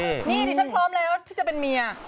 นี่ดิฉันพร้อมแล้วที่จะเป็นเมีย